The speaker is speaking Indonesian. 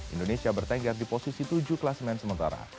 indonesia bertengger di posisi tujuh klasmen sementara